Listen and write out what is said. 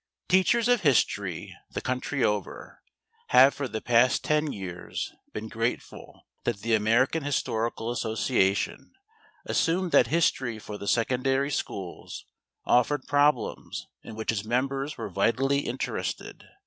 Teachers of history, the country over, have for the past ten years been grateful that the American Historical Association assumed that history for the secondary schools offered problems in which its members were vitally interested.